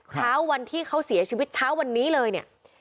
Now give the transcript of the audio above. เช้าวันที่เขาเสียชีวิตเช้าวันนี้เลยเนี่ย